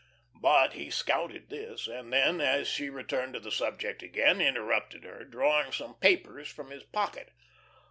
But he scouted this, and then, as she returned to the subject again, interrupted her, drawing some papers from his pocket.